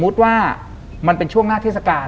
คุณลุงกับคุณป้าสองคนนี้เป็นใคร